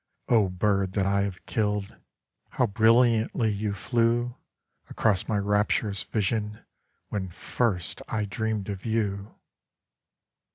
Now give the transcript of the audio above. O bird that I have killed, How brilliantly you flewAcross my rapturous vision when first I dreamed of you!